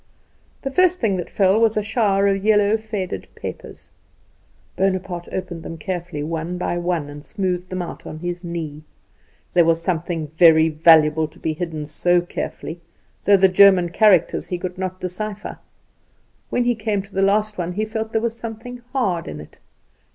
The first thing that fell was a shower of yellow faded papers. Bonaparte opened them carefully one by one, and smoothed them out on his knee. There was something very valuable to be hidden so carefully, though the German characters he could not decipher. When he came to the last one, he felt there was something hard in it.